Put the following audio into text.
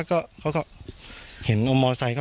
กลุ่มตัวเชียงใหม่